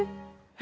え？